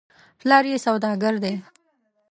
پلار یې سودا ګر دی .